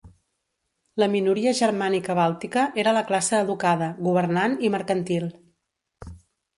La minoria germànica bàltica era la classe educada, governant i mercantil.